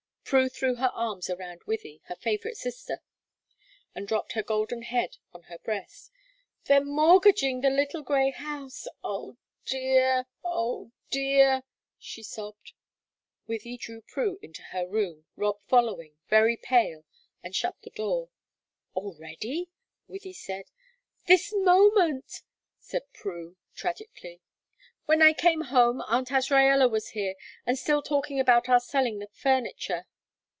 Prue threw her arms around Wythie her favorite sister and dropped her golden head on her breast. "They're mortgaging the little grey house oh dear, oh dear!" she sobbed. Wythie drew Prue into her room, Rob following, very pale, and shut the door. "Already?" Wythie said. "This moment," said Prue, tragically. "When I came home Aunt Azraella was here, and still talking about our selling the furniture.